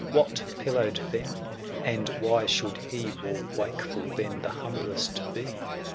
What pillowed them ? and why should he 305 More wakeful than the humblest be